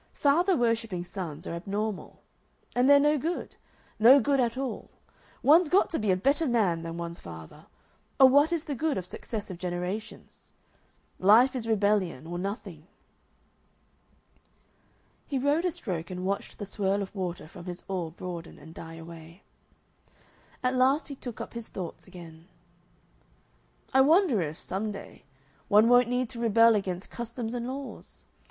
Father worshipping sons are abnormal and they're no good. No good at all. One's got to be a better man than one's father, or what is the good of successive generations? Life is rebellion, or nothing." He rowed a stroke and watched the swirl of water from his oar broaden and die away. At last he took up his thoughts again: "I wonder if, some day, one won't need to rebel against customs and laws?